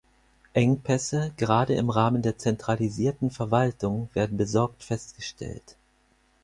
Engpässe gerade im Rahmen der zentralisierten Verwaltung werden besorgt festgestellt.